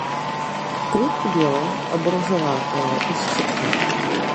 Кветкі белыя або ружаватыя, у шчытках.